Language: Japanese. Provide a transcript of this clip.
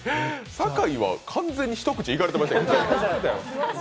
酒井は完全に一口いかれてましたけどね